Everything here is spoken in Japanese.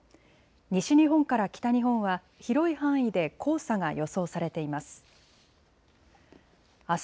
西日本から北日本は広い範囲で黄砂が予想されています。